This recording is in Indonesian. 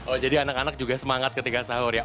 oh jadi anak anak juga semangat ketika sahur ya